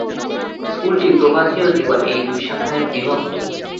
স্কুলটি প্রভাতী ও দিবা এই দুই শাখায় বিভক্ত।